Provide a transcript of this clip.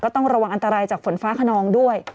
ต้องระวังอันตรายจากฝนฟ้าขนองด้วย